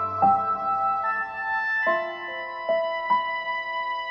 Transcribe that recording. aku pening ingin mulaiila print responder ya berita di bagian bagian ini ambil bunga catalel